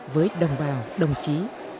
với đồng bào đồng chí